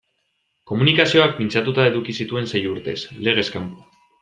Komunikazioak pintxatuta eduki zituen sei urtez, legez kanpo.